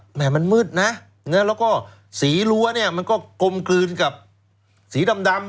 หมายมันมืดนะแล้วก็สีรั้วเนี่ยมันก็กลมกลืนกับสีดำ